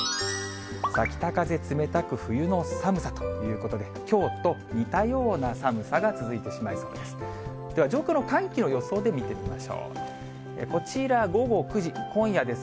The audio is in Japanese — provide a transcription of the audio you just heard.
北風冷たく、冬の寒さということで、きょうと似たような寒さが続いてしまいそうです。